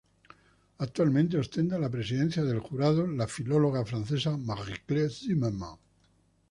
Actualmente ostenta la presidencia del jurado la filóloga francesa Marie Claire Zimmermann.